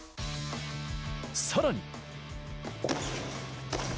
さらに。